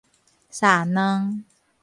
煠卵